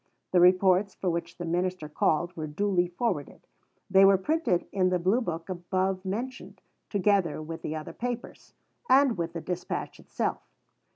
The reports for which the minister called were duly forwarded. They were printed in the Blue book above mentioned, together with the other Papers, and with the dispatch itself.